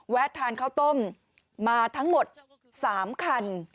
ทานข้าวต้มมาทั้งหมด๓คัน